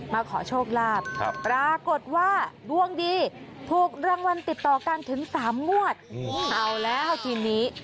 มาขอโชคลาภปรากฏว่าดวงดีถูกรางวัลติดต่อกันถึง๓งวดเอาแล้วทีนี้